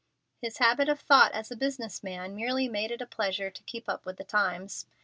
His habits of thought as a business man merely made it a pleasure to keep up with the times.